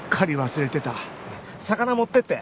魚持っていって。